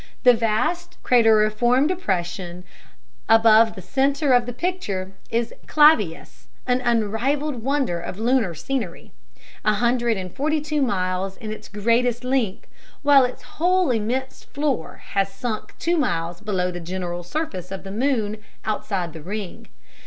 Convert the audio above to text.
The vast crateriform depression above the center of the picture is Clavius, an unrivaled wonder of lunar scenery, a hundred and forty two miles in its greatest length, while its whole immense floor has sunk two miles below the general surface of the moon outside the ring.